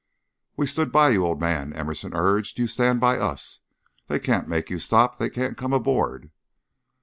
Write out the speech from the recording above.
"We stood by you, old man," Emerson urged; "you stand by us. They can't make you stop. They can't come aboard."